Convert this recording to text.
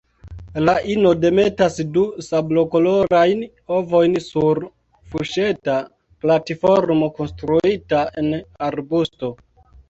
La ino demetas du sablokolorajn ovojn sur fuŝeta platformo konstruita en arbusto.